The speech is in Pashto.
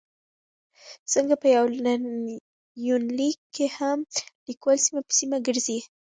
ځکه په يونليک کې هم ليکوال سيمه په سيمه ګرځي